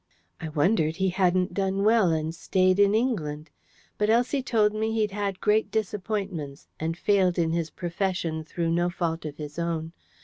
I wondered he hadn't done well and stayed in England. But Elsie told me he'd had great disappointments, and failed in his profession through no fault of his own.